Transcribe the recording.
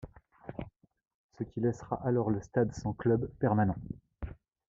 Ce qui laissera alors le stade sans clubs permanents.